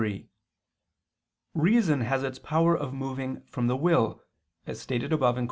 Reply Obj. 3: Reason has its power of moving from the will, as stated above (Q.